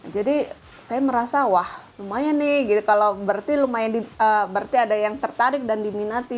jadi saya merasa wah lumayan nih berarti ada yang tertarik dan diminati